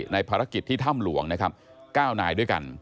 ภารกิจที่ถ้ำหลวงนะครับ๙นายด้วยกัน